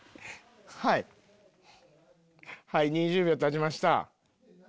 はい２０秒たちました。